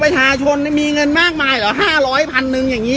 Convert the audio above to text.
ประชาชนเนี้ยมีเงินมากมายหรอห้าร้อยพันหนึ่งอย่างงี้